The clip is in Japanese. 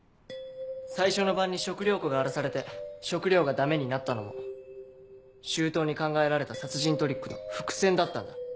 最初の晩に食糧庫が荒らされて食料がダメになったのも周到に考えられた殺人トリックの伏線だったんだ。